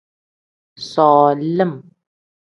Solim.